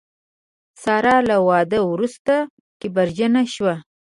ساره له واده وروسته کبرجنه شوه.